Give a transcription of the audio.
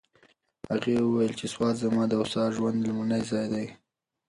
هغې وویل چې سوات زما د هوسا ژوند لومړنی ځای دی.